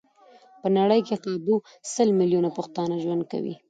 په نړۍ کې کابو سل ميليونه پښتانه ژوند کوي.